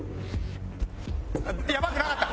やばくなかった。